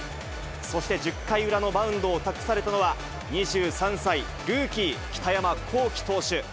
そして、１０回裏のマウンドを託されたのは、２３歳、ルーキー、北山亘基投手。